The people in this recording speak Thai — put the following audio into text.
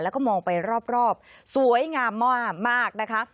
แล้วก็มองไปรอบสวยงามมากนะคะ